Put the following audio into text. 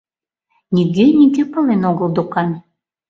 Нигӧ-нигӧ пален огыл докан.